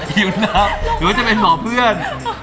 หรือจะเป็นหล่อเพื่อน